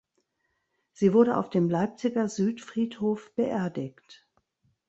Sie wurde auf dem Leipziger Südfriedhof beerdigt.